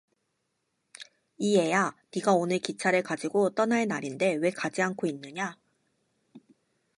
이 애야, 네가 오늘 기차를 가지고 떠날 날인데 왜 가지않고 있느냐?